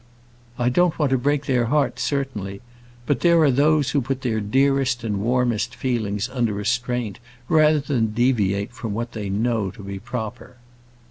"I don't want to break their hearts, certainly. But there are those who put their dearest and warmest feelings under restraint rather than deviate from what they know to be proper."